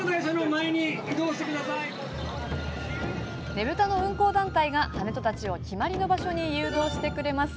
ねぶたの運行団体が跳人たちを決まりの場所に誘導してくれます。